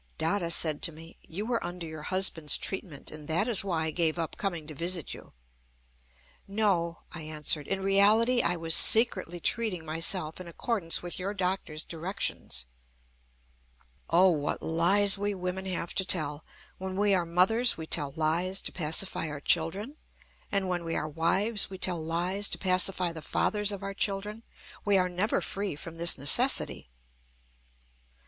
Dada said to me: "You were under your husband's treatment, and that is why I gave up coming to visit you." "No," I answered. "In reality, I was secretly treating myself in accordance with your doctor's directions." Oh! what lies we women have to tell! When we are mothers, we tell lies to pacify our children; and when we are wives, we tell lies to pacify the fathers of our children. We are never free from this necessity.